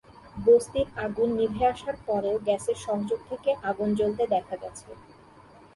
বস্তির আগুন নিভে আসার পরেও গ্যাসের সংযোগ থেকে আগুন জ্বলতে দেখা গেছে।